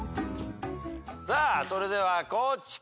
さあそれでは地君。